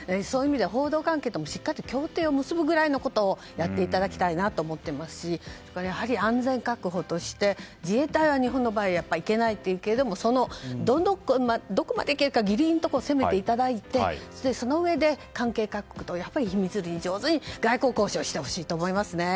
報道関係ともしっかりと協定を結ぶぐらいのことをやっていただきたいと思っていますしそれから安全確保として自衛隊は日本の場合行けないということですけどもどこまで行けるかギリギリのところを攻めていただいてそのうえで、関係各所と秘密裏に外交交渉してほしいですね。